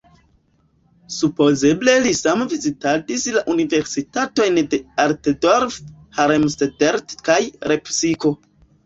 Supozeble li same vizitadis la Universitatojn de Altdorf, Helmstedt kaj Lepsiko.